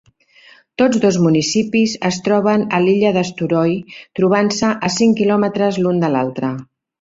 Tots dos municipis es troben a l'illa d'Eysturoy, trobant-se a cinc quilòmetres l'un de l'altre.